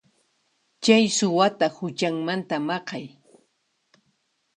Chay suwata huchanmanta maqay.